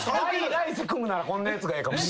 来世組むならこんなやつがええかも。